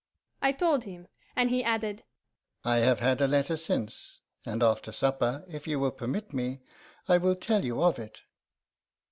I told him; and he added, 'I have had a letter since, and after supper, if you will permit me, I will tell you of it.